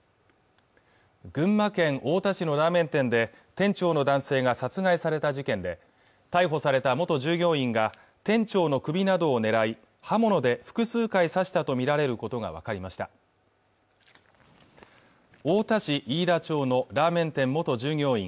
群馬県太田市のラーメン店で店長の男性が殺害された事件で逮捕された元従業員が店長の首などを狙い刃物で複数回刺したとみられることが分かりました太田市飯田町のラーメン店元従業員